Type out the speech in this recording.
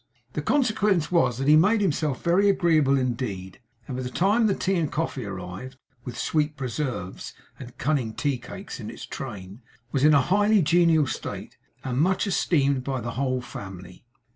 The consequence was that he made himself very agreeable indeed; and by the time the tea and coffee arrived (with sweet preserves, and cunning tea cakes in its train), was in a highly genial state, and much esteemed by the whole family.